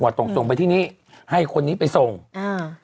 ส่งส่งไปที่นี่ให้คนนี้ไปส่งอ่า